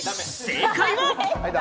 正解は。